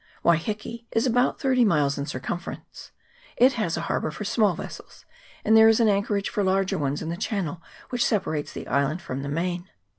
Waiheke is about thirty miles in circumference. CHAP. XX.] GULF OF HAURAKI. 283 It has a harbour for small vessels, and there is an anchorage for larger ones in the channel which separates the island from the main.